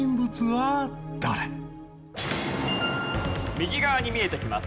右側に見えてきます